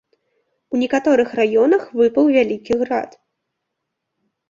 У некаторых раёнах выпаў вялікі град.